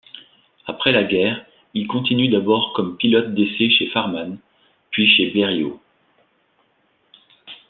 Après la guerre, il continue d’abord comme pilote d’essai chez Farman, puis chez Blériot.